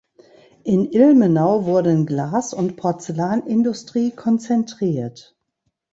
In Ilmenau wurden Glas- und Porzellanindustrie konzentriert.